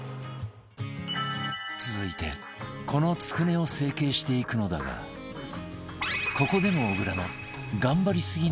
続いてこのつくねを成形していくのだがここでも小倉の